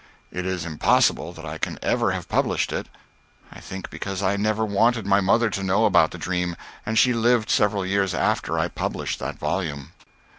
It is impossible that I can ever have published it, I think, because I never wanted my mother to know about the dream, and she lived several years after I published that volume.